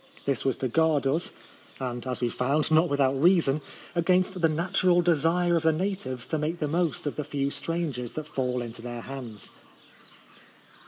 This was to guard us — and, as we found, not without reason — against the natural desire of the natives to make the most of the few strangers that fall into their hands.